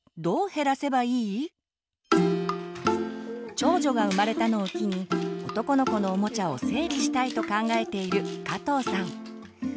長女が生まれたのを機に男の子のおもちゃを整理したいと考えている加藤さん。